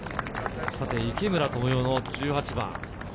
池村寛世の１８番。